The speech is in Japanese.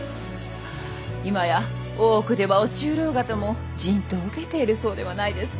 今や大奥では御中臈方も人痘を受けているそうではないですか。